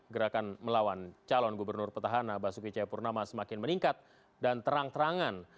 gerakan melawan calon gubernur petahana basuki cayapurnama semakin meningkat dan terang terangan